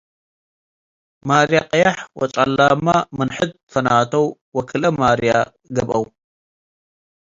ማርየ-ቀየሕ ወጸላምመ ምን ሕድ ትፈንተው ወክልኤ ማርየ ገብአው ።